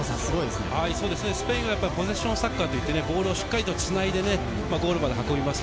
スペインはポゼッションサッカー、ボールをしっかりつないで、ゴールまで運びます。